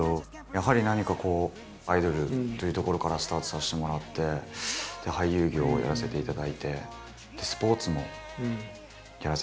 やはり何かこうアイドルというところからスタートさせてもらって俳優業をやらせていただいてスポーツもやらせていただいて。